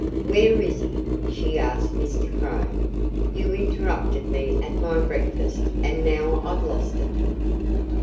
"Where is he?" she asked Mr. Crow. "You interrupted me at my breakfast and now I've lost it."